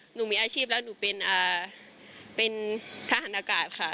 หนูมีอาชีพแล้วหนูเป็นทหารอากาศค่ะ